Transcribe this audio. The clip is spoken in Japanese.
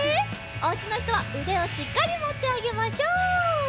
おうちのひとはうでをしっかりもってあげましょう。